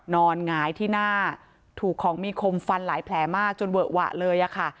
หงายที่หน้าถูกของมีคมฟันหลายแผลมากจนเวอะหวะเลยค่ะ